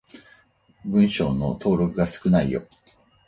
文章の登録が少ないよ。